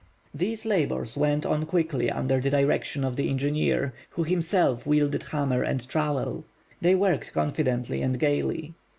These labors went on quickly under the direction of the engineer, who himself wielded hammer and trowel. They worked confidently and gaily.